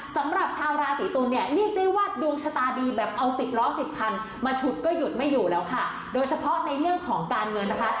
สำหรับชาวราศีตุลเนี่ยเรียกได้ว่าดวงชะตาดีแบบเอาสิบล้อสิบคันมาฉุดก็หยุดไม่อยู่แล้วค่ะโดยเฉพาะในเรื่องของการเงินนะคะ